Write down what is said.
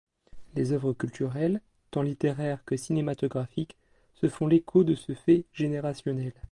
Les œuvres culturelles, tant littéraires que cinématographiques, se font l’écho de ce fait générationnel.